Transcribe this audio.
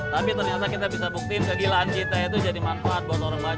tapi ternyata kita bisa buktiin kegilaan kita itu jadi manfaat buat orang banyak